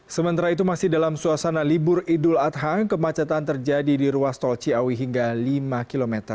sementara itu masih dalam suasana libur idul adha kemacetan terjadi di ruas tol ciawi hingga lima km